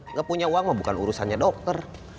nggak punya uang bukan urusannya dokter